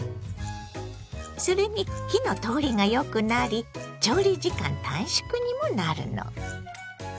それに火の通りがよくなり調理時間短縮にもなるの。